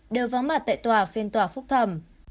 đều vắng mặt tại tòa phiên tòa phúc thẩm